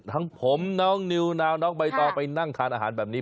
ทั้งผมน้องนิวนาวน้องใบตองไปนั่งทานอาหารแบบนี้